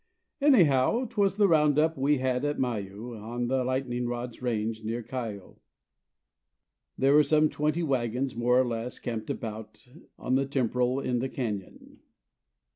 Anyhow, 'twas the round up we had at Mayou On the Lightning Rod's range, near Cayo; There were some twenty wagons, more or less, camped about On the temporal in the cañon.